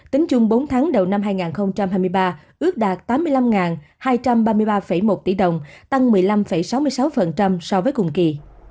tính chung bốn tháng đầu năm hai nghìn hai mươi ba ước đạt tám mươi năm hai trăm ba mươi ba một tỷ đồng tăng một mươi năm sáu mươi sáu so với cùng kỳ